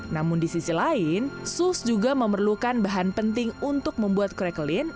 namun di sisi lain sus juga memerlukan bahan penting untuk membuat kurakelin